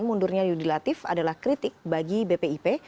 mundurnya yudi latif adalah kritik bagi bpip